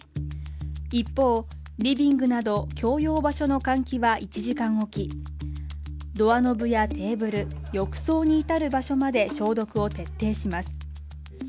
一方、リビングなど共用場所の換気は１時間おきドアノブやテーブル、浴槽にいたる場所まで消毒を徹底します。